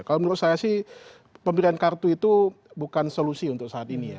kalau menurut saya sih pemberian kartu itu bukan solusi untuk saat ini ya